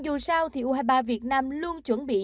dù sao thì u hai mươi ba việt nam luôn chuẩn bị